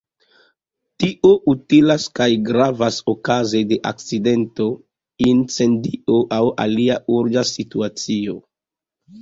Tio utilas kaj gravas okaze de akcidento, incendio aŭ alia urĝa situacio.